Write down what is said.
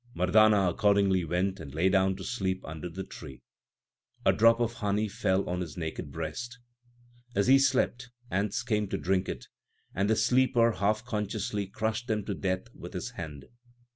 Mardana accordingly went and lay down to sleep under the tree. A drop of honey fell on his naked breast. As he slept, ants came to drink it, and the sleeper half unconsciously crushed them to death with his hand.